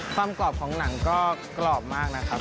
กรอบของหนังก็กรอบมากนะครับ